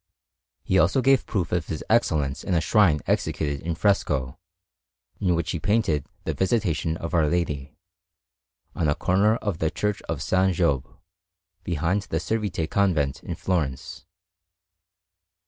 He also gave proof of his excellence in a shrine executed in fresco, in which he painted the Visitation of Our Lady, on a corner of the Church of S. Giobbe, behind the Servite Convent in Florence.